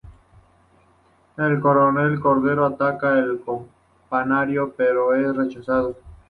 El coronel Cordero ataca el campanario pero es rechazado.